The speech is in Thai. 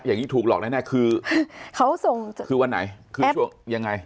อย่างงี้ถูกหรอกแน่คือคือวันไหนยังไง